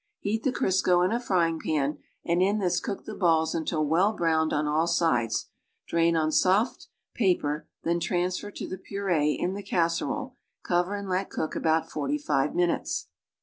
Heat the Crisco in a frying pan and in this cook the balls until well browned on all sides; drain on soft paper, then transfer to the puree in the casserole, cover and let cook al^out forty five miuLites.